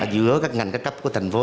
giữa các ngành ca cấp của thành phố